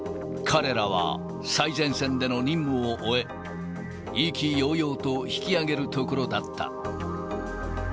彼らは、最前線での任務を終え、意気揚々と引き揚げるところだった。